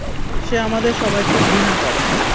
সে আমাদের সবাইকে ঘৃণা করে।